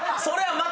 それは！